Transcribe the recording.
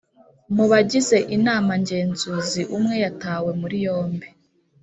Mu bagize Inama ngenzuzi umwe yatawe muri yombi